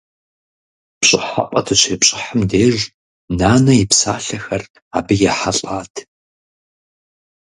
ПщӀыхьэпӀэ дыщепщӀыхьым деж, нанэ и псалъэхэр абы ехьэлӀат.